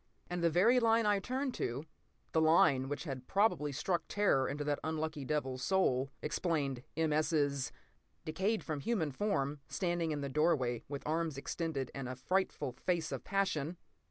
And the very line I had turned to, the line which had probably struck terror to that unlucky devil's soul, explained M. S.'s "decayed human form, standing in the doorway with arms extended and a frightful face of passion!"